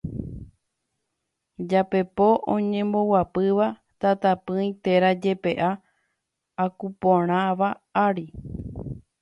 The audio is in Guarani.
japepo oñemboguapýva tatapỹi térã jepe'a akuporãva ári.